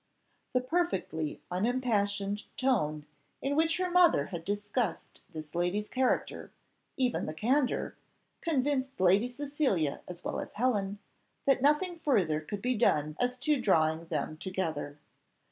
The perfectly unimpassioned tone, in which her mother had discussed this lady's character, even the candour, convinced Lady Cecilia as well as Helen, that nothing further could be done as to drawing them together.